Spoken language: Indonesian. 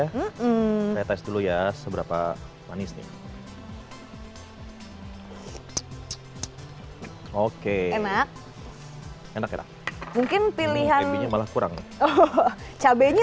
saya tes dulu ya seberapa manis nih oke enak enak ya mungkin pilihan malah kurang cabainya